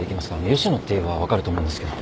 吉野って言えば分かると思うんですけど。